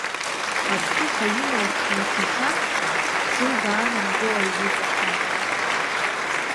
Агәҭыха имоу имцаха дзылбаанамгои уи ҵаҟа?!